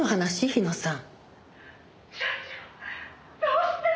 日野さん？